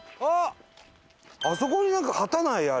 あそこになんか旗ない？